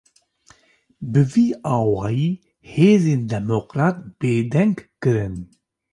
Bi vî awayî, hêzên demokrat bêdeng kirin